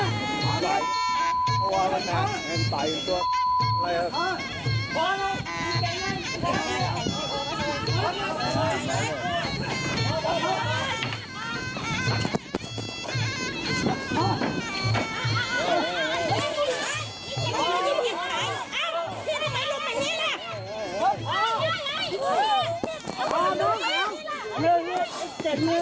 เพราะว่าภาพค่อนข้างจะเกิดมาก